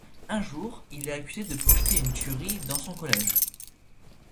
Un jour, il est accusé de projeter une tuerie dans son collège.